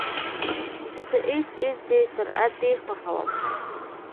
زه د ایس ایس ډي سرعت ډېر خوښوم.